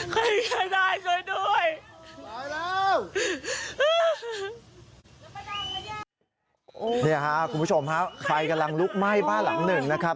นี่ค่ะคุณผู้ชมฮะไฟกำลังลุกไหม้บ้านหลังหนึ่งนะครับ